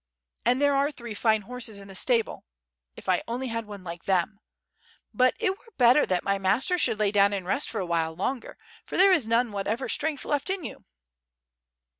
And there are three fine horses in the stable. ... if I only had one like them. ... but it were better that my master should lay down and rest for awhile longer, for there is none whatever strength left in you."